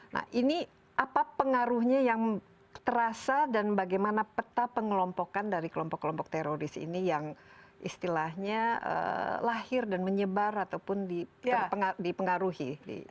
nah ini apa pengaruhnya yang terasa dan bagaimana peta pengelompokan dari kelompok kelompok teroris ini yang istilahnya lahir dan menyebar ataupun dipengaruhi